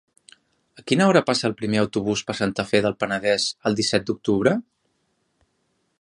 A quina hora passa el primer autobús per Santa Fe del Penedès el disset d'octubre?